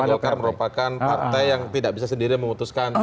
karena golkar merupakan partai yang tidak bisa sendiri memutuskan